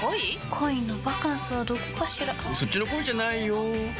恋のバカンスはどこかしらそっちの恋じゃないよ